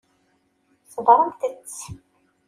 Ṣebbṛemt-tt.